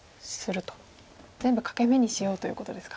全部欠け眼にしようということですか。